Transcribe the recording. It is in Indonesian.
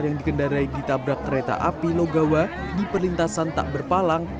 yang dikendarai ditabrak kereta api logawa di perlintasan tak berpalang